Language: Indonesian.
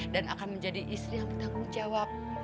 dan akan menjadi istri yang bertanggung jawab